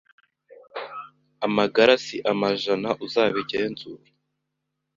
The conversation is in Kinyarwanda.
Amagara si amajana uzabigenzure